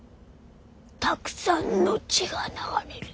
たくさんの血が流れる。